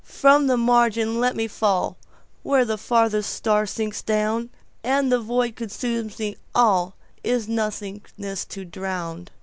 From the margin let me fallWhere the farthest stars sink down, And the void consumes me,—allIn nothingness to drown.